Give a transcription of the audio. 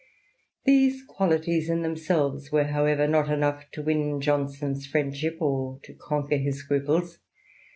These qualities in themselves were, however, not enough to win Johnson's friendship, or to conquer his scruples.